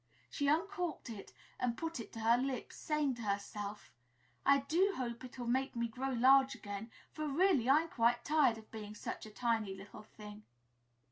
She uncorked it and put it to her lips, saying to herself, "I do hope it'll make me grow large again, for, really, I'm quite tired of being such a tiny little thing!"